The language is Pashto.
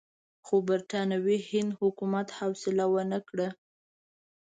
خو برټانوي هند حکومت حوصله ونه کړه.